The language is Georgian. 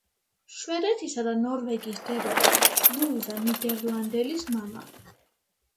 შვედეთისა და ნორვეგიის დედოფალ ლუიზა ნიდერლანდელის მამა.